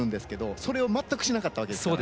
それを全くしなかったわけですから。